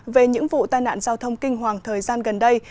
về những vụ tai nạn giao thông kinh hoàng thời gian gần đây